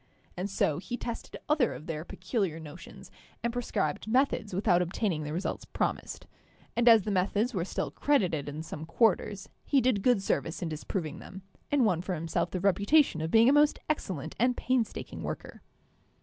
And so he tested other of their peculiar notions and prescribed methods without obtaining the results promised; and as the methods were still credited in some quarters, he did good service in disproving them, and won for himself the reputation of being a most excellent and painstaking worker.